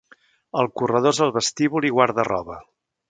El corredor és el vestíbul i guarda-roba.